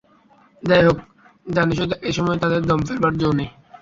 যাই হোক, জানিসই তো এসময়ে তাদের দম ফেলবার জো নেই?